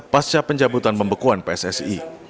pasca penjabutan pembekuan pssi